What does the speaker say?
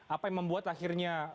apa yang membuat akhirnya